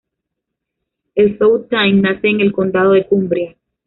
El South Tyne nace en el condado de Cumbria.